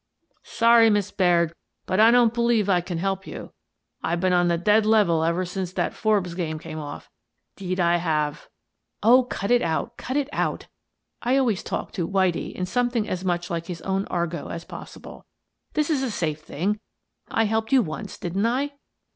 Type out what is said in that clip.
" Sorry, Miss Baird, but I don't believe I can help you. I've been on the dead level ever since that Forbes game came off — 'deed I have." " Oh, cut it out, cut it out I "— I always talk to " Whitie " in something as much like his own argot as possible. " This is a safe thing. I helped you once, didn't I?"